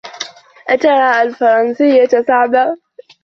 أترى الفرنسية صعبة؟